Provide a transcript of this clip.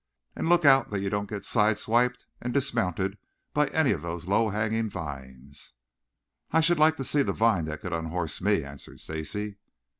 And look out that you don't get sidewiped and dismounted by any of those low hanging vines." "I should like to see the vine that could unhorse me," answered Stacy.